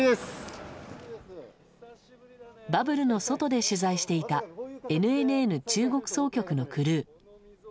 バブルの外で取材していたＮＮＮ中国総局のクルー。